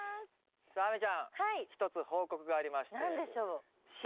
さあ亜美ちゃん一つ報告がありまして。